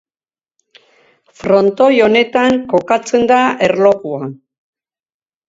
Frontoi honetan kokatzen da erlojua.